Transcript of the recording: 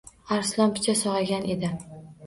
Arslon picha sog‘aygan edi